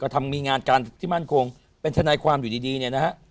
ทำมีงานการที่มั่นคงเป็นทนายความอยู่ดีเนี่ยนะฮะ